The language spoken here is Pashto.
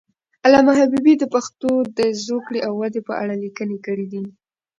علامه حبیبي د پښتو د زوکړې او ودې په اړه لیکنې کړي دي.